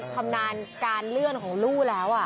ชำนาญการเลื่อนของลู่แล้ว